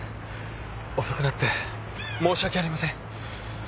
遅くなって申し訳ありません。